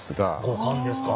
五感ですか。